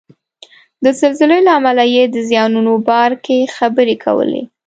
د زلزلې له امله یې د زیانونو باره کې خبرې کولې.